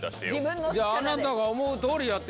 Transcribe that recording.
あなたが思うとおりやって。